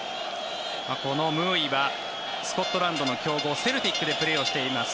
このムーイはスコットランドの強豪セルティックでプレーをしています。